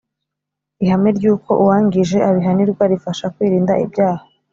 Ihame ry’uko uwangije abihanirwa rifasha kwirinda ibyaha.